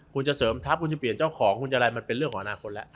ครับคุณจะเปลี่ยนเจ้าของมันเป็นเรื่องของอนาคต